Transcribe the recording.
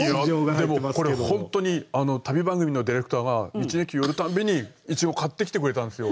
でもこれ本当に旅番組のディレクターが道の駅寄るたんびに苺買ってきてくれたんですよ。